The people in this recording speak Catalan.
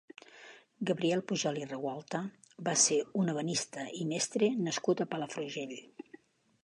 Gabriel Pujol i Regualta va ser un ebenista i mestre nascut a Palafrugell.